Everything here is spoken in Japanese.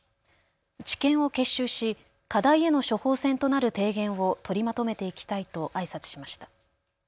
知見を結集し課題への処方箋となる提言を取りまとめていきたいとあいさつしました。